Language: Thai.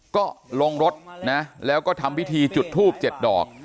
ก็ลงรถนะแล้วก็ทำพิธีจุดทูบ๗ดอก